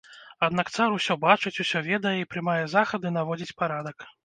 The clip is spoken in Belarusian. Аднак цар усё бачыць, усё ведае і прымае захады, наводзіць парадак.